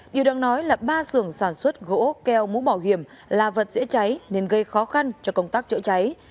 điều đang nói là ba xưởng sản xuất gỗ keo mũ bảo hiểm là vật dễ cháy nên gây khó khăn cho công tác chữa cháy